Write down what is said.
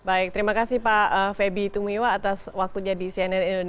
baik terima kasih pak feby tumiwa atas waktunya di cnn indonesia